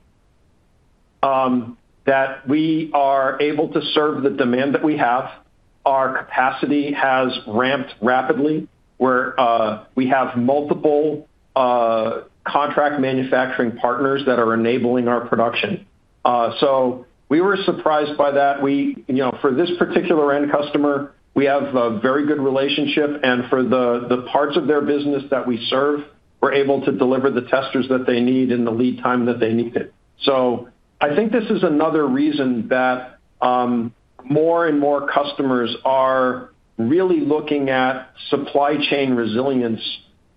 That we are able to serve the demand that we have. Our capacity has ramped rapidly, where we have multiple contract manufacturing partners that are enabling our production. We were surprised by that. We, you know, for this particular end customer, we have a very good relationship, and for the parts of their business that we serve, we're able to deliver the testers that they need in the lead time that they need it. I think this is another reason that more and more customers are really looking at supply chain resilience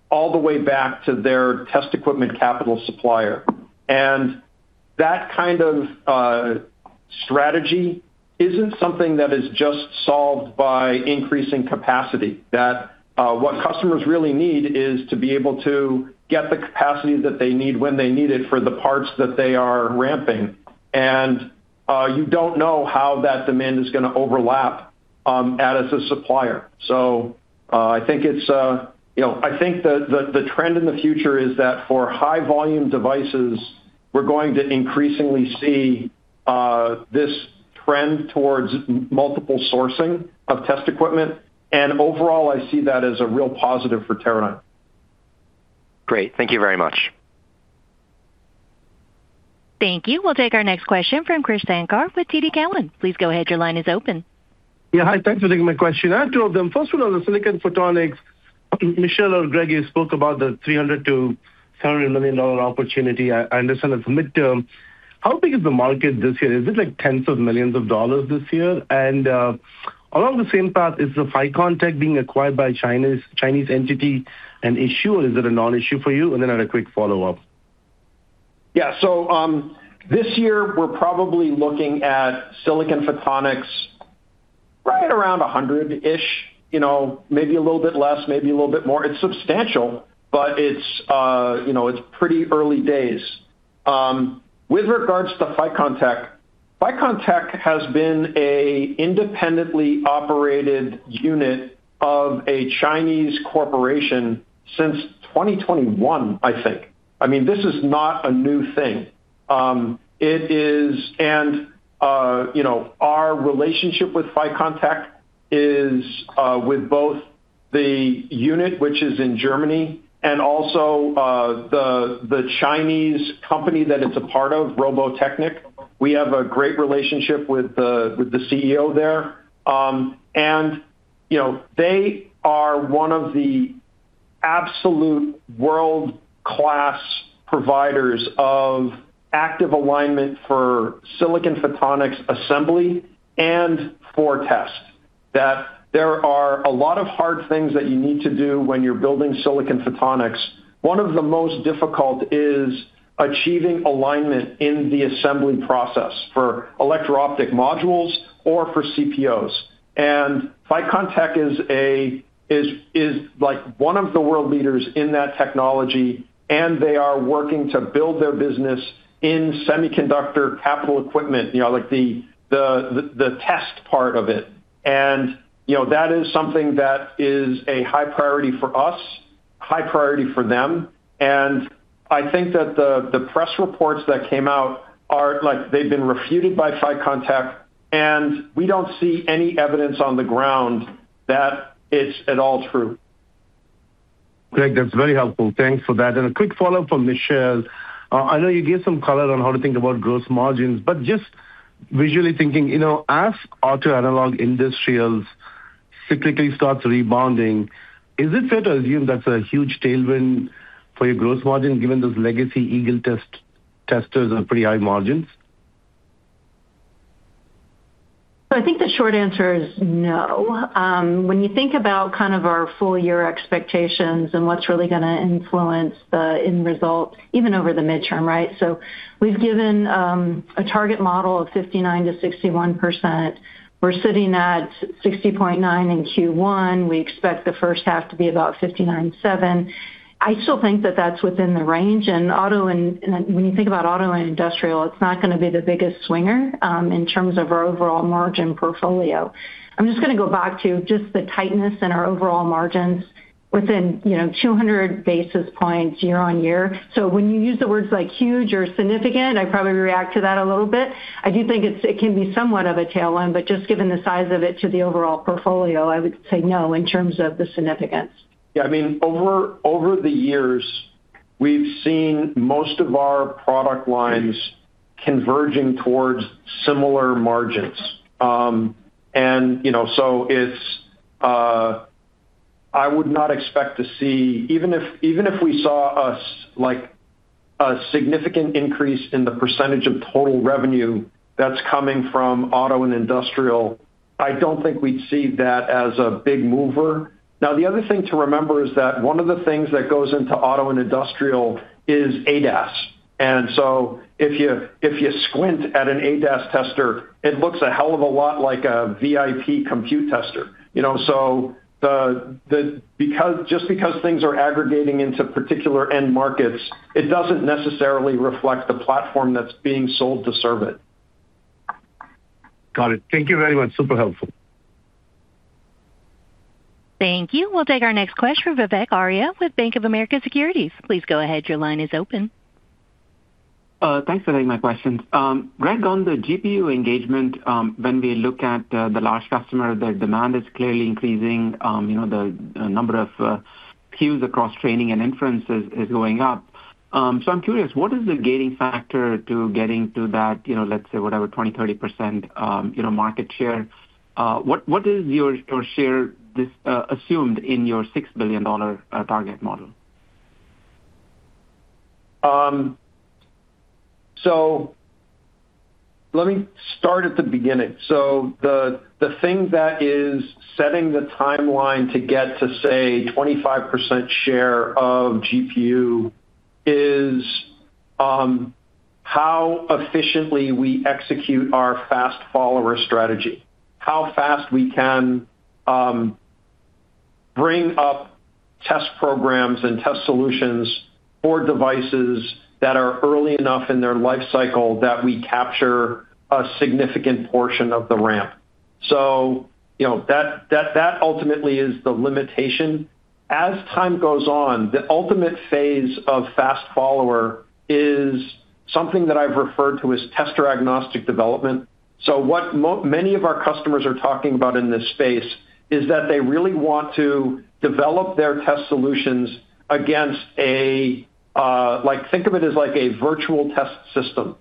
all the way back to their test equipment capital supplier. That kind of strategy isn't something that is just solved by increasing capacity. What customers really need is to be able to get the capacity that they need when they need it for the parts that they are ramping. You don't know how that demand is gonna overlap as a supplier. I think it's, you know, I think the trend in the future is that for high volume devices, we're going to increasingly see this trend towards multiple sourcing of test equipment. Overall, I see that as a real positive for Teradyne. Great. Thank you very much. Thank you. We'll take our next question from Krish Sankar with TD Cowen. Please go ahead. Hi. Thanks for taking my question. I have two of them. First one on the silicon photonics. Michelle or Greg, you spoke about the $300 million-$700 million opportunity. I understand it's a midterm. How big is the market this year? Is it tens of millions of dollars this year? Along the same path, is the ficonTEC being acquired by Chinese entity an issue, or is it a non-issue for you? I had a quick follow-up. Yeah. This year we're probably looking at silicon photonics right around 100-ish, you know, maybe a little bit less, maybe a little bit more. It's substantial, but it's, you know, pretty early days. With regards to ficonTEC has been an independently operated unit of a Chinese corporation since 2021, I think. I mean, this is not a new thing. You know, our relationship with ficonTEC is with both the unit, which is in Germany, and also the Chinese company that it's a part of, RoboTechnik. We have a great relationship with the CEO there. You know, they are one of the absolute world-class providers of active alignment for silicon photonics assembly and for test. That there are a lot of hard things that you need to do when you're building silicon photonics. One of the most difficult is achieving alignment in the assembly process for electro-optic modules or for CPOs. ficonTEC is like one of the world leaders in that technology, and they are working to build their business in semiconductor capital equipment, you know, like the test part of it. You know, that is something that is a high priority for us, high priority for them. I think that the press reports that came out like they've been refuted by ficonTEC, and we don't see any evidence on the ground that it's at all true. Greg, that's very helpful. Thanks for that. A quick follow-up for Michelle. I know you gave some color on how to think about gross margins, just visually thinking, you know, as auto analog industrials cyclically starts rebounding, is it fair to assume that's a huge tailwind for your gross margin given those legacy Eagle Test testers are pretty high margins? I think the short answer is no. When you think about kind of our full year expectations and what's really gonna influence the end result even over the midterm, right? We've given a target model of 59%-61%. We're sitting at 60.9% in Q1. We expect the first half to be about 59.7%. I still think that that's within the range. Auto and when you think about auto and industrial, it's not gonna be the biggest swinger in terms of our overall margin portfolio. I'm just gonna go back to just the tightness in our overall margins within, you know, 200 basis points year on year. When you use the words like huge or significant, I probably react to that a little bit. I do think it can be somewhat of a tailwind, but just given the size of it to the overall portfolio, I would say no in terms of the significance. Yeah, I mean, over the years, we've seen most of our product lines converging towards similar margins. You know, I would not expect to see even if we saw a significant increase in the percentage of total revenue that's coming from auto and industrial, I don't think we'd see that as a big mover. The other thing to remember is that one of the things that goes into auto and industrial is ADAS. If you squint at an ADAS tester, it looks a hell of a lot like a VIP compute tester, you know? Just because things are aggregating into particular end markets, it doesn't necessarily reflect the platform that's being sold to serve it. Got it. Thank you very much. Super helpful. Thank you. We'll take our next question from Vivek Arya with Bank of America Securities. Please go ahead, your line is open. Thanks for taking my questions. Greg, on the GPU engagement, when we look at the large customer, the demand is clearly increasing. You know, the number of queues across training and inferences is going up. I'm curious, what is the gating factor to getting to that, you know, let's say whatever, 20%, 30%, you know, market share? What is your share assumed in your $6 billion target model? Let me start at the beginning. The thing that is setting the timeline to get to, say, 25% share of GPU is how efficiently we execute our fast follower strategy. How fast we can bring up test programs and test solutions for devices that are early enough in their life cycle that we capture a significant portion of the ramp. You know, that ultimately is the limitation. As time goes on, the ultimate phase of fast follower is something that I've referred to as tester-agnostic development. What many of our customers are talking about in this space is that they really want to develop their test solutions against a, like think of it as like a virtual test system.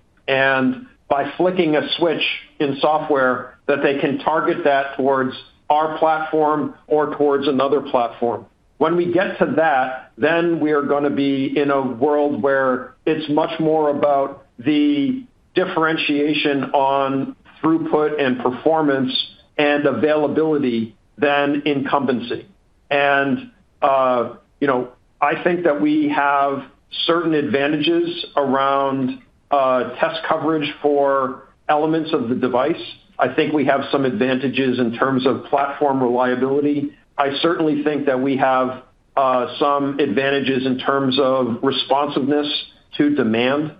By flicking a switch in software, they can target that towards our platform or towards another platform. When we get to that, then we're gonna be in a world where it's much more about the differentiation on throughput and performance and availability than incumbency. You know, I think that we have certain advantages around test coverage for elements of the device. I think we have some advantages in terms of platform reliability. I certainly think that we have some advantages in terms of responsiveness to demand.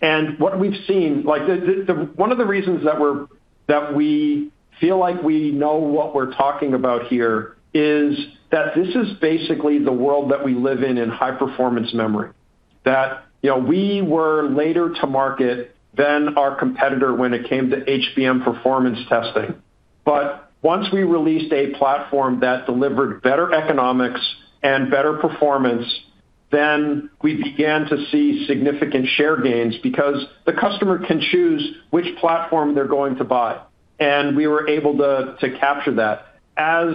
And what we've seen, like the one of the reasons that we feel like we know what we're talking about here is that this is basically the world that we live in in high-performance memory. You know, we were later to market than our competitor when it came to HBM performance testing. Once we released a platform that delivered better economics and better performance, then we began to see significant share gains because the customer can choose which platform they're going to buy, and we were able to capture that. As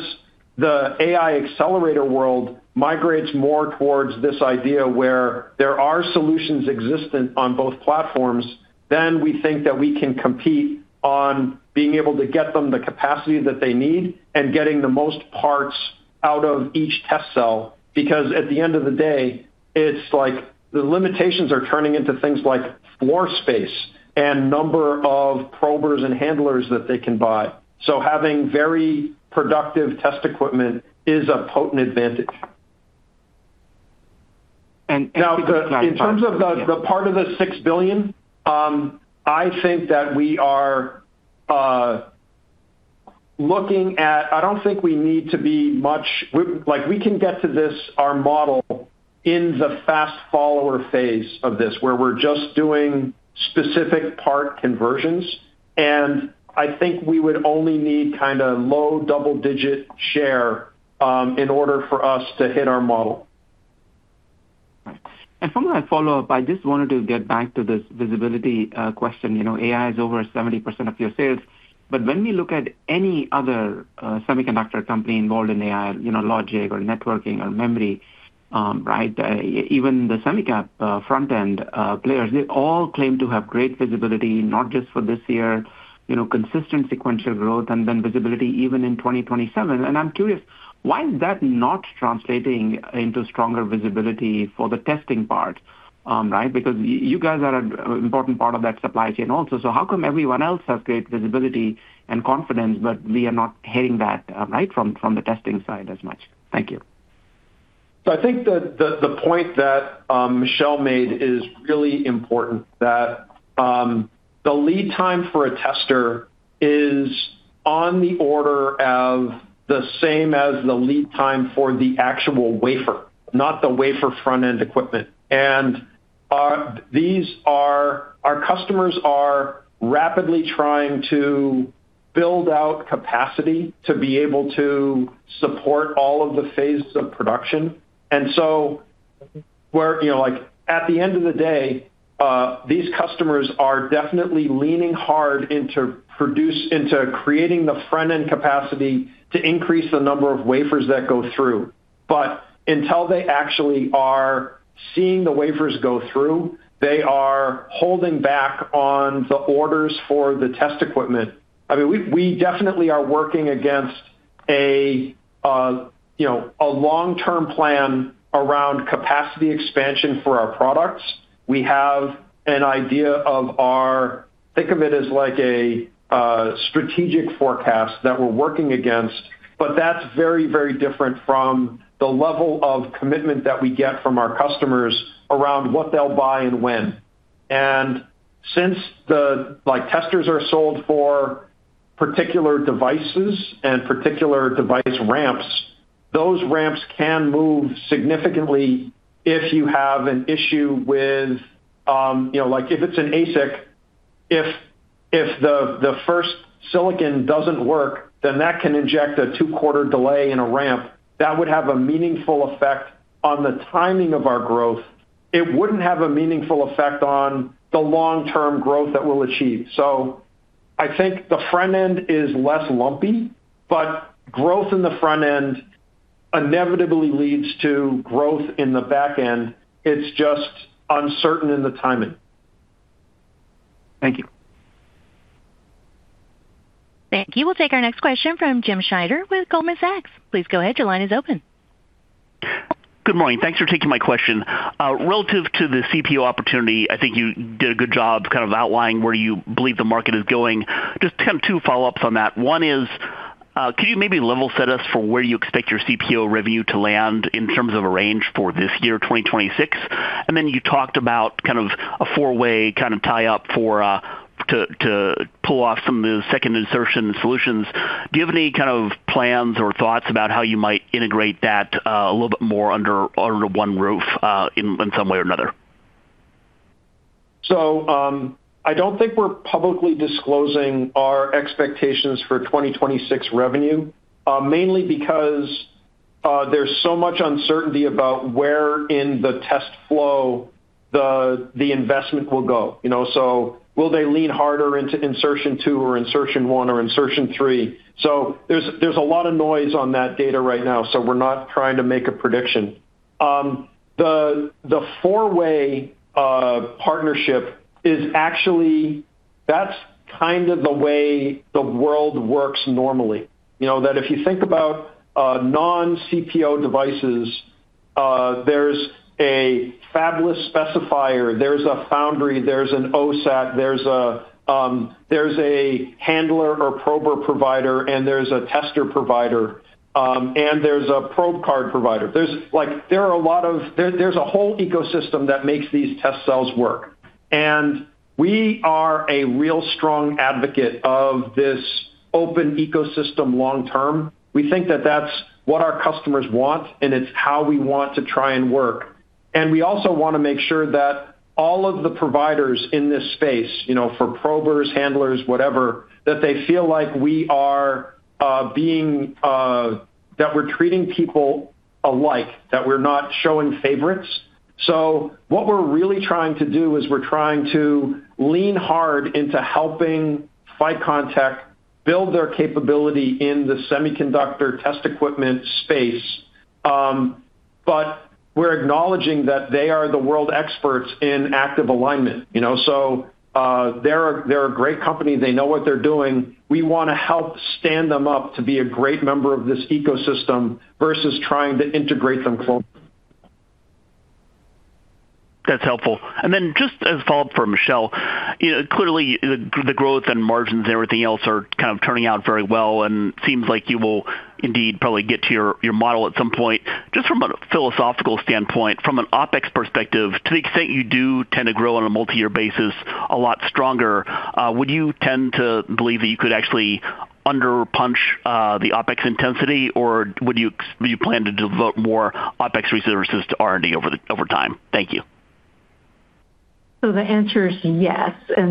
the AI accelerator world migrates more towards this idea where there are solutions existent on both platforms, then we think that we can compete on being able to get them the capacity that they need and getting the most parts out of each test cell. At the end of the day, it's like the limitations are turning into things like floor space and number of probers and handlers that they can buy. Having very productive test equipment is a potent advantage. And, and- Now in terms of the part of the $6 billion, I think that we are looking at. I don't think we need to be much. Like, we can get to this, our model, in the fast follower phase of this, where we're just doing specific part conversions, and I think we would only need kind of low double-digit share in order for us to hit our model. Right. If I may follow up, I just wanted to get back to this visibility question. AI is over 70% of your sales, but when we look at any other semiconductor company involved in AI, you know, logic or networking or memory, even the semi cap front-end players, they all claim to have great visibility, not just for this year, consistent sequential growth, then visibility even in 2027. I'm curious, why is that not translating into stronger visibility for the testing part? Because you guys are an important part of that supply chain also, how come everyone else has great visibility and confidence, but we are not hearing that from the testing side as much? Thank you. I think the point that Michelle made is really important, that the lead time for a tester is on the order of the same as the lead time for the actual wafer, not the wafer front-end equipment. Our customers are rapidly trying to build out capacity to be able to support all of the phases of production. Where, you know, like, at the end of the day, these customers are definitely leaning hard into creating the front-end capacity to increase the number of wafers that go through. Until they actually are seeing the wafers go through, they are holding back on the orders for the test equipment. I mean, we definitely are working against a, you know, a long-term plan around capacity expansion for our products. We have an idea of our, think of it as like a strategic forecast that we're working against, but that's very, very different from the level of commitment that we get from our customers around what they'll buy and when. Since the, like, testers are sold for particular devices and particular device ramps, those ramps can move significantly if you have an issue with, you know, like, if it's an ASIC, if the first silicon doesn't work, then that can inject a two-quarter delay in a ramp. That would have a meaningful effect on the timing of our growth. It wouldn't have a meaningful effect on the long-term growth that we'll achieve. I think the front end is less lumpy, but growth in the front end inevitably leads to growth in the back end. It's just uncertain in the timing. Thank you. Thank you. We'll take our next question from James Schneider with Goldman Sachs. Good morning. Thanks for taking my question. Relative to the CPO opportunity, I think you did a good job kind of outlining where you believe the market is going. Just kind of two follow-ups on that. One is, could you maybe level set us for where you expect your CPO revenue to land in terms of a range for this year, 2026? You talked about kind of a four-way kind of tie-up for to pull off some of the second insertion solutions. Do you have any kind of plans or thoughts about how you might integrate that a little more under one roof in some way or another? I don't think we're publicly disclosing our expectations for 2026 revenue, mainly because there's so much uncertainty about where in the test flow the investment will go. You know, will they lean harder into insertion 2 or insertion 1 or insertion 3? There's a lot of noise on that data right now, so we're not trying to make a prediction. The 4-way partnership is actually, that's kind of the way the world works normally. You know, that if you think about non-CPO devices, there's a fabless specifier, there's a foundry, there's an OSAT, there's a handler or prober provider, and there's a tester provider, and there's a probe card provider. There's a whole ecosystem that makes these test cells work. We are a real strong advocate of this open ecosystem long term. We think that that's what our customers want, and it's how we want to try and work. We also want to make sure that all of the providers in this space, you know, for probers, handlers, whatever, that they feel like we are treating people alike, that we're not showing favorites. What we're really trying to do is we're trying to lean hard into helping ficonTEC build their capability in the semiconductor test equipment space, but we're acknowledging that they are the world experts in active alignment, you know. They're a great company. They know what they're doing. We wanna help stand them up to be a great member of this ecosystem versus trying to integrate them. That's helpful. Just as a follow-up for Michelle, you know, clearly the growth and margins and everything else are kind of turning out very well, and seems like you will indeed probably get to your model at some point. Just from a philosophical standpoint, from an OpEx perspective, to the extent you do tend to grow on a multi-year basis a lot stronger, would you tend to believe that you could actually under punch the OpEx intensity, or do you plan to devote more OpEx resources to R&D over time? Thank you. The answer is yes. You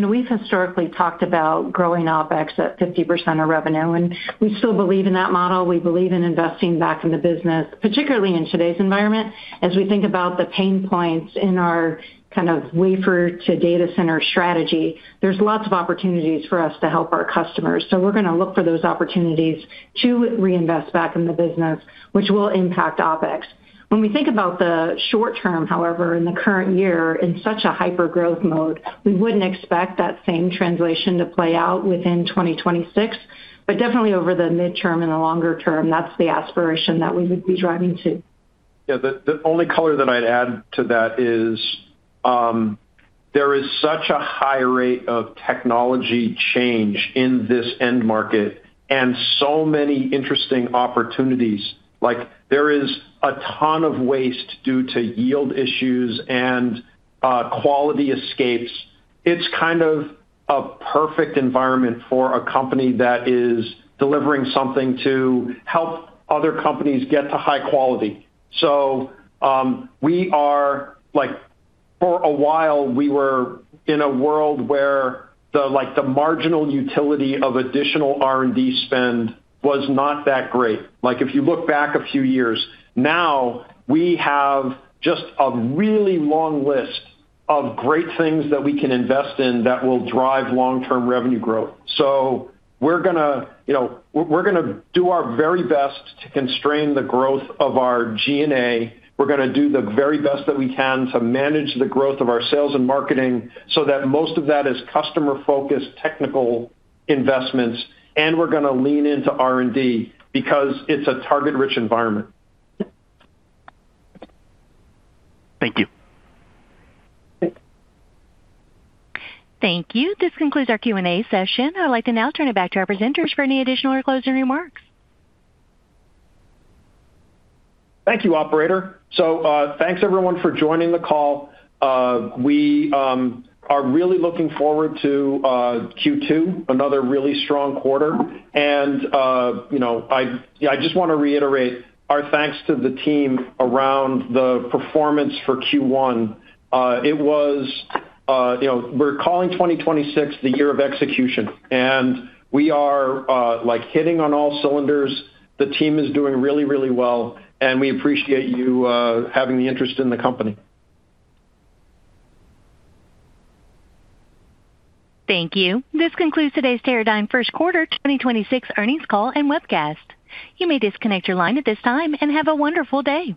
know, we've historically talked about growing OpEx at 50% of revenue, and we still believe in that model. We believe in investing back in the business, particularly in today's environment. As we think about the pain points in our kind of wafer to data center strategy, there's lots of opportunities for us to help our customers. We're gonna look for those opportunities to reinvest back in the business, which will impact OpEx. When we think about the short term, however, in the current year, in such a hyper-growth mode, we wouldn't expect that same translation to play out within 2026. Definitely over the midterm and the longer term, that's the aspiration that we would be driving to. Yeah. The only color that I'd add to that is, there is such a high rate of technology change in this end market and so many interesting opportunities. Like, there is a ton of waste due to yield issues and quality escapes. It's kind of a perfect environment for a company that is delivering something to help other companies get to high quality. For a while, we were in a world where the marginal utility of additional R&D spend was not that great. Like, if you look back a few years. Now, we have just a really long list of great things that we can invest in that will drive long-term revenue growth. We're gonna, you know, we're gonna do our very best to constrain the growth of our G&A. We're gonna do the very best that we can to manage the growth of our sales and marketing so that most of that is customer-focused technical investments, and we're gonna lean into R&D because it's a target-rich environment. Thank you. Thank you. This concludes our Q&A session. I'd like to now turn it back to our presenters for any additional or closing remarks. Thank you, operator. Thanks everyone for joining the call. We are really looking forward to Q2, another really strong quarter. You know, I just wanna reiterate our thanks to the team around the performance for Q1. It was, you know, we're calling 2026 the year of execution, and we are, like, hitting on all cylinders. The team is doing really, really well, and we appreciate you having the interest in the company. Thank you. This concludes today's Teradyne first quarter 2026 earnings call and webcast. You may disconnect your line at this time, and have a wonderful day.